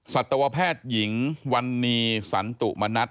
สัตวแพทย์หญิงวันนี้สันตุมณัฐ